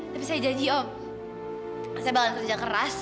tapi saya janji om saya bakal kerja keras